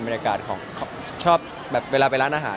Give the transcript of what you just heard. บรรยากาศของชอบแบบเวลาไปร้านอาหาร